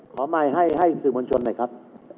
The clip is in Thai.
ขอใหม่ให้สื่อมนต์ชนได้ครับ